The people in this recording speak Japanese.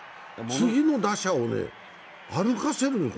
次の打者を歩かせる。